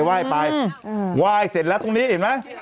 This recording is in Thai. ว่ายเสร็จแล้วตรงนี้เห็นไหม